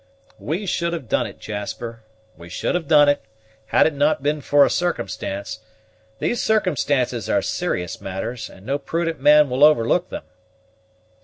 "We should have done it, Jasper, we should have done it, had it not been for a circumstance; these circumstances are serious matters, and no prudent man will overlook them."